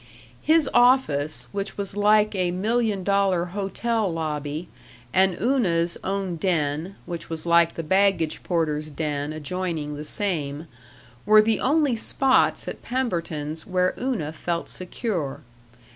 His office, which was like a million dollar hotel lobby, and Una's own den, which was like the baggage porter's den adjoining the same, were the only spots at Pemberton's where Una felt secure.